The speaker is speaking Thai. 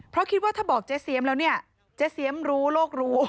เพราะคิดว่าถ้าบอกเจ๊เสียมแล้วเนี่ยเจ๊เสียมรู้โลกรู้